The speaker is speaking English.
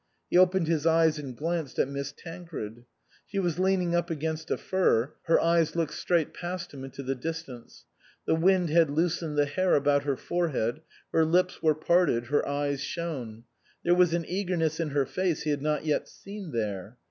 He opened his eyes and glanced at Miss Tancred. She was leaning up against a fir ; her eyes looked straight past him into the distance ; the wind had loosened the hair about her forehead ; her lips were parted, her eyes shone ; there was an eagerness in her face he had not yet seen there.